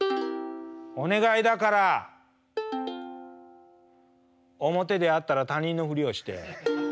「お願いだから表で会ったら他人のふりをして」。